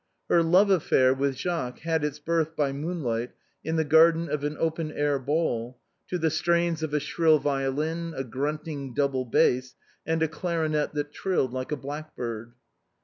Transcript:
Her love affair with Jacques had its birth by moonlight in the gar den of an open air ball, to the strains of a shrill violin, a grunting double bass, and a clarionet that trilled like a blackbird.